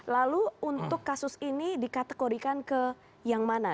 lalu untuk kasus ini dikategorikan ke yang mana